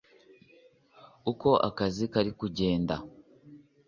uko akazi kari kugenda.